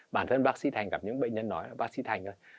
bản thân bác sĩ thành gặp những bệnh nhân nói là bác sĩ thành thôi